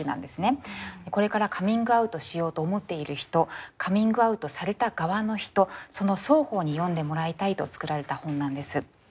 これからカミングアウトしようと思っている人カミングアウトされた側の人その双方に読んでもらいたいと作られた本なんです。